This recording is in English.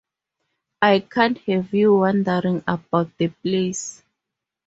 I can't have you wandering about the place.